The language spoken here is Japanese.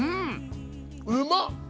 うまっ！